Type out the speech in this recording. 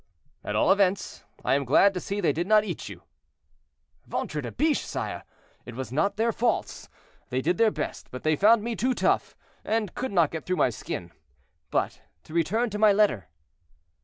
"At all events, I am glad to see they did not eat you." "Ventre de biche! sire, it was not their faults; they did their best, but they found me too tough, and could not get through my skin. But to return to my letter."